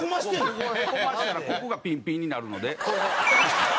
ここへこませたらここがピンピンになるので。